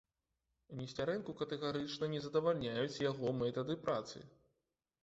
Несцярэнку катэгарычна не задавальняюць яго метады працы.